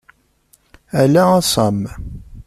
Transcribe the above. Ala a Sam!